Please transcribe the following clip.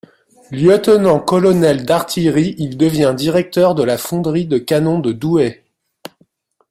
Lieutenant-colonel d'artillerie, il devient directeur de la fonderie de canon de Douai.